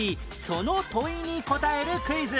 その問いに答えるクイズ